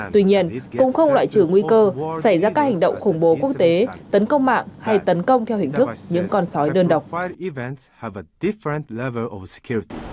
tuy nhiên cũng không loại trừ nguy cơ xảy ra các hành động khủng bố quốc tế tấn công mạng hay tấn công theo hình thức những con sói đơn độc